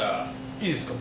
いいですか？